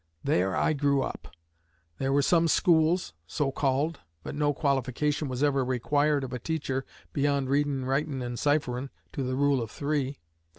There I grew up. There were some schools, so called, but no qualification was ever required of a teacher beyond 'readin', writin' and cipherin'' to the Rule of Three.